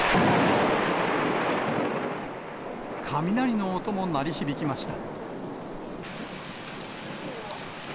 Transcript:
雷の音も鳴り響きました。